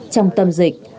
trong tâm dịch